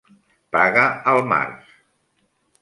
Paga al març.